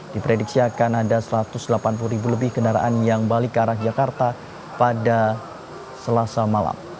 diprediksi akan ada satu ratus delapan puluh ribu lebih kendaraan yang balik ke arah jakarta pada selasa malam